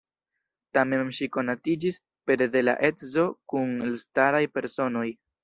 Tamen ŝi konatiĝis pere de la edzo kun elstaraj personoj.